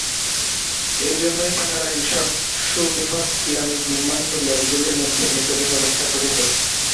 এইজন্যই তাহারা ঐ-সব সুবৃহৎ পিরামিড নির্মাণ করিয়া ঐগুলির মধ্যে মৃতদেহ রক্ষা করিত।